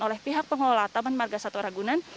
oleh pihak pengelola taman margasatwa ragunan